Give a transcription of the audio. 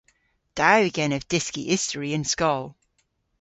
Da yw genev dyski istori y'n skol.